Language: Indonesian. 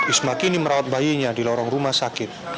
isma kini merawat bayinya di lorong rumah sakit